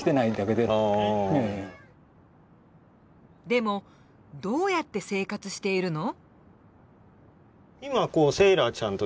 でもどうやって生活しているの？